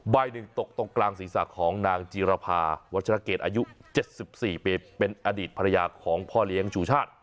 ใบหนึ่งตกตรงกลางศีรษะของนางจีรภาวัชรเกตอายุ๗๔ปีเป็นอดีตภรรยาของพ่อเลี้ยงชูชาติ